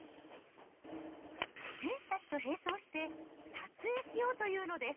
選手たちと並走して、撮影しようというのです。